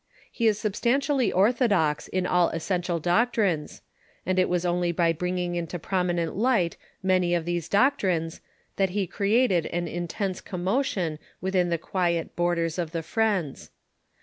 He is substantially orthodox in all essential doctrines, and it was only by bringing into prominent light many of these doc trines that he created an intense commotion within the quiet borders of the Friends.